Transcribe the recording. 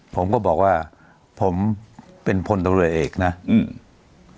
ผมก็บอกว่าผมเป็นพลตำรวจเอกนะอืม